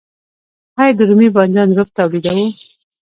آیا د رومي بانجان رب تولیدوو؟